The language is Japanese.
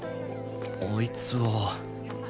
あいつは。